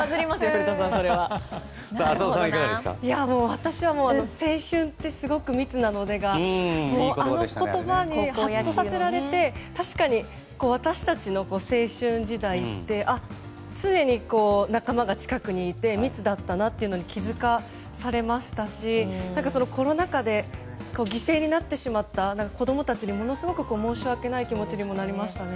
私は青春って、すごく密なのでがあの言葉にはっとさせられて確かに私たちの青春時代って常に仲間が近くにいて密だったなと気づかされましたしコロナ禍で犠牲になってしまった子供たちにものすごく申し訳ない気持ちにもなりました。